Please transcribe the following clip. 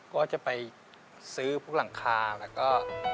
ก็จะไปซื้อพวกหลังคาแล้วก็